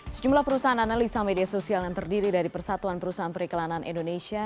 sejumlah perusahaan analisa media sosial yang terdiri dari persatuan perusahaan periklanan indonesia